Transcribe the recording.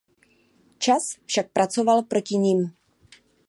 Čas však pracoval proti nim.